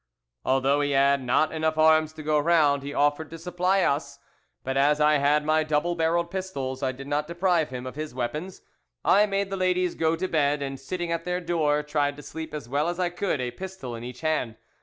"Although he had not enough arms to go round, he offered to supply us, but as I had my double barrelled pistols I did not deprive him of his weapons. I made the ladies go to bed, and, sitting at their door, tried to sleep as well as I could, a pistol in each hand.